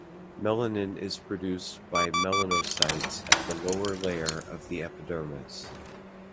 Melanin is produced by melanocytes at the lower layer of the epidermis.